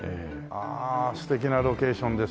ああ素敵なロケーションですよね。